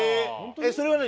それは何？